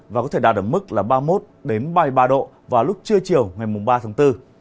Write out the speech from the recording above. và có thể đạt được mức là ba mươi một ba mươi ba độ vào lúc trưa chiều ngày ba tháng bốn